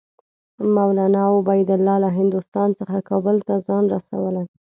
مولنا عبیدالله له هندوستان څخه کابل ته ځان رسولی.